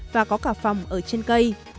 và có cả phòng ở trên cây